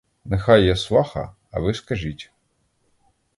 Нехай я сваха, а ви скажіть.